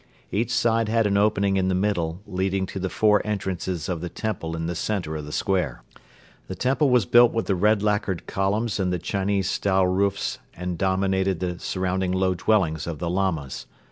Each side had an opening in the middle leading to the four entrances of the temple in the center of the square. The temple was built with the red lacquered columns and the Chinese style roofs and dominated the surrounding low dwellings of the Lamas.